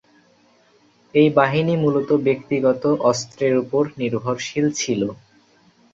এই বাহিনী মূলত ব্যক্তিগত অস্ত্রের উপর নির্ভরশীল ছিল।